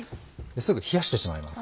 すぐ冷やしてしまいます。